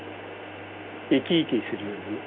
生き生きするようなね。